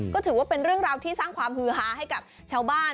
ก็ถือว่าเป็นเรื่องราวที่สร้างความฮือฮาให้กับชาวบ้าน